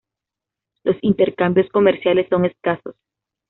Los intercambios comerciales son escasos.